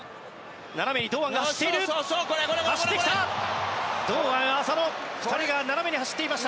斜めに堂安が走っている。